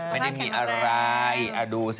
ไม่ได้มีอะไรดูสิ